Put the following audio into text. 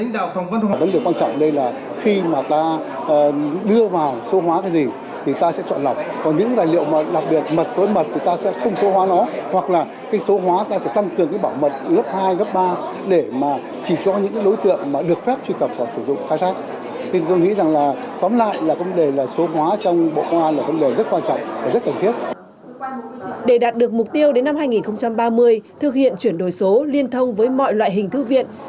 để đạt được mục tiêu đến năm hai nghìn ba mươi thực hiện chuyển đổi số liên thông với mọi loại hình thư viện